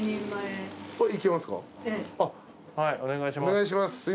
お願いします。